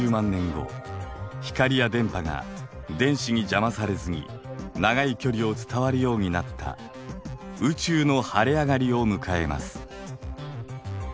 後光や電波が電子に邪魔されずに長い距離を伝わるようになった宇宙の晴れ上がりを迎えます。